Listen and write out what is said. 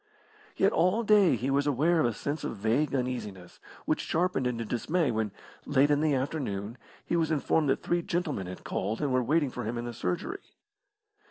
Yet all day he was aware of a sense of vague uneasiness, which sharpened into dismay when, late in the afternoon, he was informed that three gentlemen had called and were waiting for him in the surgery.